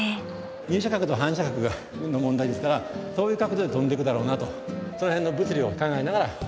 入射角と反射角の問題ですからそういう角度で飛んでいくだろうなとその辺の。